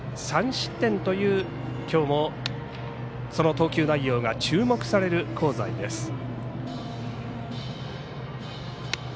３失点というきょうもその投球内容が注目される香西です。